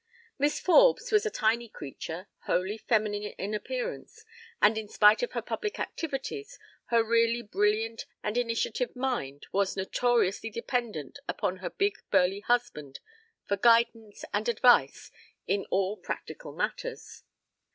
Miss Forbes was a tiny creature, wholly feminine in appearance, and in spite of her public activities, her really brilliant and initiative mind, was notoriously dependent upon her big burly husband for guidance and advice in all practical matters.